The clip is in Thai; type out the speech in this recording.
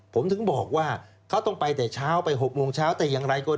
ผมถึงบอกว่าเขาต้องไปแต่เช้าไป๖โมงเช้า